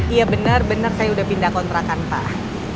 iya bener bener saya udah pindah kontrakan pak